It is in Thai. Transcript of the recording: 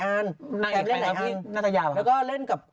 นางอีกใครครับพี่น่าจะอยาก